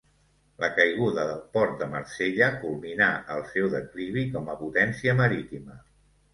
La caiguda del port de Marsella culminà el seu declivi com a potència marítima.